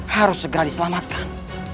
harus segera diselamatkan